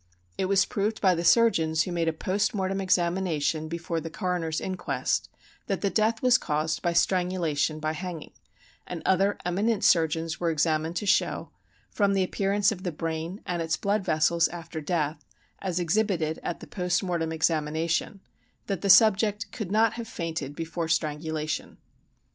"It was proved by the surgeons who made a post mortem examination before the coroner's inquest that the death was caused by strangulation by hanging; and other eminent surgeons were examined to show, from the appearance of the brain and its blood vessels after death (as exhibited at the post mortem examination), that the subject could not have fainted before strangulation.